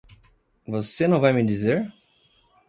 Você não vai me dizer?